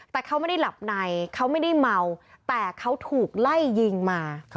แต่เขาไม่ได้หลับในเขาไม่ได้เมาแต่เขาถูกไล่ยิงมา